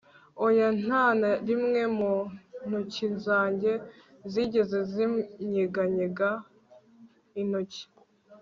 oya, nta na rimwe mu ntoki zanjye zigeze zinyeganyeza intoki